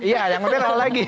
iya yang nyetir apa lagi